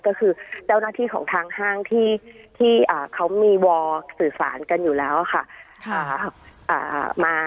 ก็คือเจ้าหน้าที่ของทางห้างที่เขามีวอลสื่อสารกันอยู่แล้วค่ะ